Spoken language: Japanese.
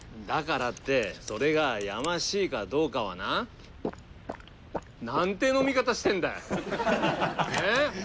だからってそれがやましいかどうかはな。なんて飲み方してんだよ！えっ？